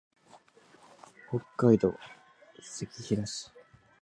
北海道赤平市